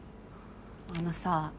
あのさ